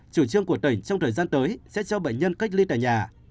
chủ trương của tỉnh trong thời gian tới sẽ cho bệnh nhân cách ly tại nhà